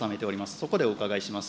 そこでお伺いします。